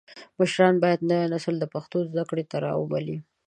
مشران باید نوی نسل د پښتو زده کړې ته راوبولي.